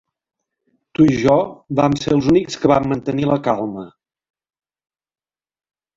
Tu i jo vam ser els únics que vam mantenir la calma.